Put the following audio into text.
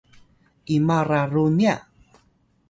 ima’ ralu’ niya’?